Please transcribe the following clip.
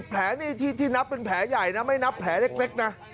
แผลนี่ที่นับเป็นแผลใหญ่นะไม่นับแผลเล็กนะ